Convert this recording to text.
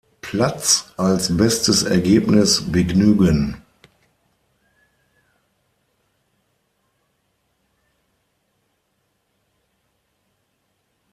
Platz als bestes Ergebnis begnügen.